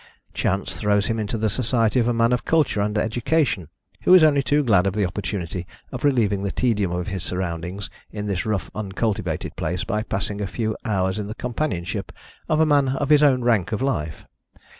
Chance throws him into the society of a man of culture and education, who is only too glad of the opportunity of relieving the tedium of his surroundings in this rough uncultivated place by passing a few hours in the companionship of a man of his own rank of life.